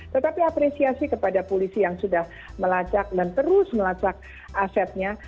tetapi apresiasi kepada polisi yang sudah melacak dan terus melacak asetnya